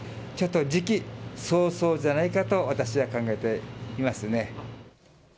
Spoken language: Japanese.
ちょっと時期尚早じゃないかと、私は考えていますね。